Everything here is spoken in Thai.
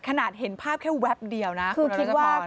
ขนาดเห็นภาพแค่แตะเดี๋ยวคุณโรยัต้าทร์ผอน